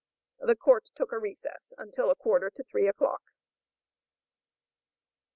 The court took a recess until a quarter to three o'clock.